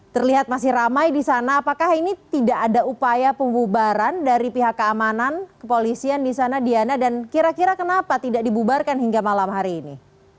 terlihat masih ramai di sana apakah ini tidak ada upaya pembubaran dari pihak keamanan kepolisian di sana diana dan kira kira kenapa tidak dibubarkan hingga malam hari ini